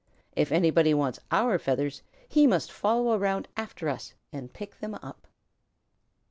If anybody wants our feathers, he must follow around after us and pick them up."